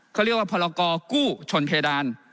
เขาเรียกว่าพรกู้ชนเพดาน